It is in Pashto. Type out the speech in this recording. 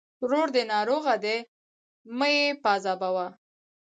ورور دې ناروغه دی! مه يې پاذابوه.